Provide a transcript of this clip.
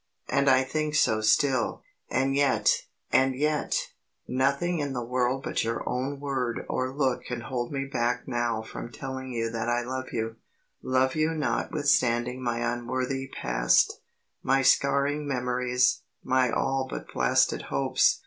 And I think so still, and yet and yet nothing in the world but your own word or look can hold me back now from telling you that I love you love you notwithstanding my unworthy past, my scarring memories, my all but blasted hopes.